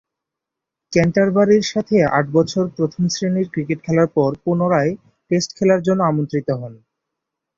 ক্যান্টারবারির সাথে আট বছর প্রথম-শ্রেণীর ক্রিকেট খেলার পর পুনরায় টেস্ট খেলার জন্য আমন্ত্রিত হন।